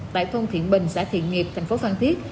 tại thôn thiện bình xã thiện nghiệp thành phố phan thiết